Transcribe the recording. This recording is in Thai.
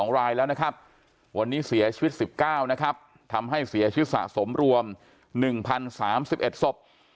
๒รายแล้วนะครับวันนี้เสียชีวิต๑๙นะครับทำให้เสียชีวิตสะสมรวม๑๐๓๑ศพ